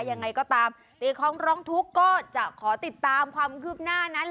ยังไงก็ตามตีของร้องทุกข์ก็จะขอติดตามความคืบหน้านั้น